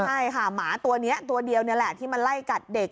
ใช่ค่ะหมาตัวนี้ตัวเดียวนี่แหละที่มาไล่กัดเด็ก